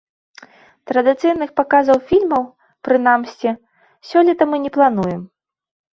Традыцыйных паказаў фільмаў, прынамсі, сёлета мы не плануем.